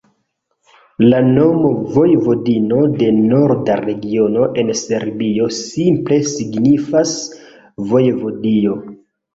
La nomo Vojvodino de norda regiono en Serbio simple signifas vojevodio.